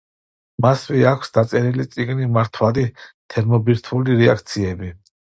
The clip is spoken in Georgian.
მასვე აქვს დაწერილი წიგნი „მართვადი თერმობირთვული რეაქციები“.